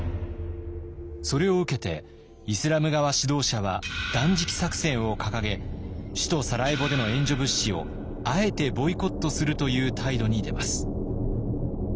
それを受けてイスラム側指導者は断食作戦を掲げ首都サラエボでの援助物資をあえてボイコットするという態度に出ます。